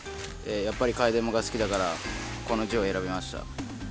やっぱり櫂伝馬が好きだからこの字を選びました。